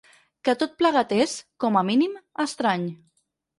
Que tot plegat és, com a mínim, estrany.